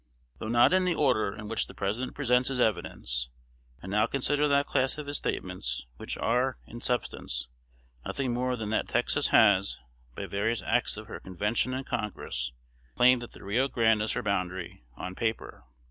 _ Though not in the order in which the President presents his evidence, I now consider that class of his statements which are, in substance, nothing more than that Texas has, by various acts of her Convention and Congress, claimed the Rio Grande as her boundary on paper.